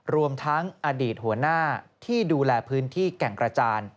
รวมทั้งอดีตหัวหน้าที่ดูแลพื้นที่แก่งกระจาน